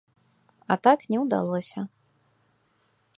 А так не ўдалося.